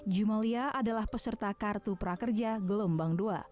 jumalia adalah peserta kartu prakerja gelombang dua